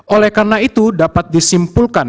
oleh karena itu dapat disimpulkan